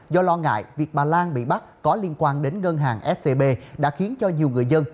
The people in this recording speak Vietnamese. do lo ngại việc bà lan bị bắt có liên quan đến ngân hàng scb đã khiến cho nhiều người dân